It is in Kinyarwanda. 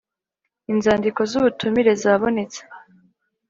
Inzandiko z ubutumire zabonetse